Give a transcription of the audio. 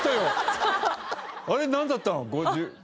あれなんだったの？